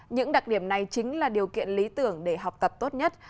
những đặc điểm này chính là điều kiện lý tưởng để học tập tốt nhất